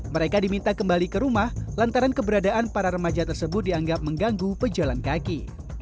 mereka diminta kembali ke rumah lantaran keberadaan para remaja tersebut dianggap mengganggu pejalan kaki